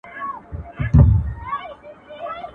ميرويس خان څنګه د خلګو مشر سو؟